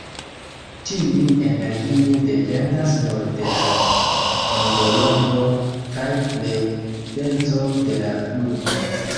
Tiu energio dependas nur de la ondolongo kaj frekvenco de la lumo.